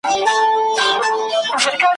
موږ ته ورکي لاري را آسانه کړي `